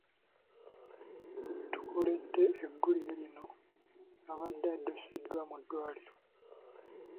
We tukoledde eggulire lino abadde addusiddwa mu ddwaliro .